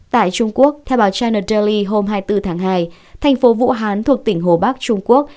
tại trung quốc theo báo china delhi hôm hai mươi bốn tháng hai thành phố vũ hán thuộc tỉnh hồ bắc trung quốc